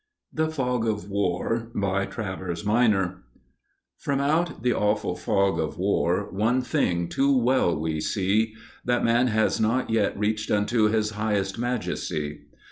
THE FOG OF WAR BY TRAVERS MINOR From out the awful fog of war One thing too well we see That man has not yet reached unto His highest majesty.